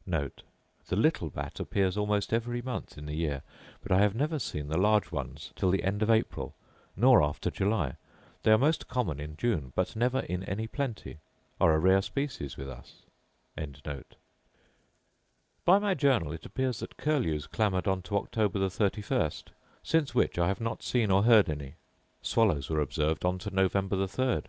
* The little bat appears almost every month in the year; but I have never seen the large ones till the end of April, nor after July. They are most common in June, but never in any plenty; are a rare species with us. By my journal it appears that curlews clamoured on to October the thirty first; since which I have not seen or heard any. Swallows were observed on to November the third.